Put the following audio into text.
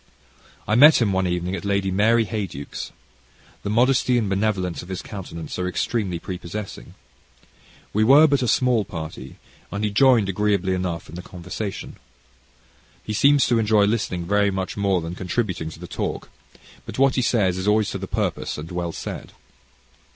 I met him one evening at Lady Mary Heyduke's. The modesty and benevolence of his countenance are extremely prepossessing. We were but a small party, and he joined agreeably enough in the conversation, He seems to enjoy listening very much more than contributing to the talk; but what he says is always to the purpose and well said.